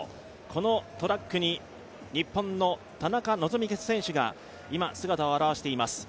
このトラックに日本の田中希実選手が今、姿を現しています。